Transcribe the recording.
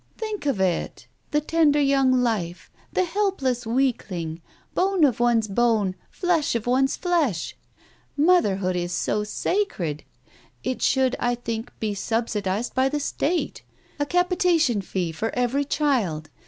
"Think of it! The tender young life, the helpless weakling, bone of one's bone, flesh of one's flesh. ... Motherhood is so sacred — it should, I think, be subsidized by the State. A capitation fee for every child.